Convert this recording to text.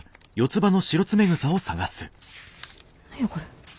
何やこれ。